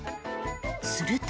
すると